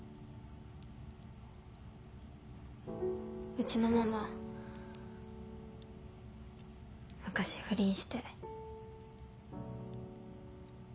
うちのママ昔不倫して。